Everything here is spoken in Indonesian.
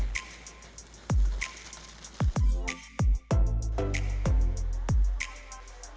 akan menyarankan sebuah vainu yang lebihquet tergantung sebagai jurauf holiday ignis loebert en ing